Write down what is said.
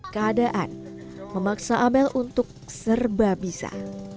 keadaan memaksa amel untuk serba bisa